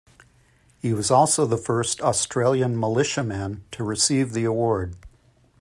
He was also the first Australian Militiaman to receive the award.